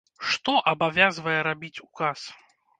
Што абавязвае рабіць ўказ?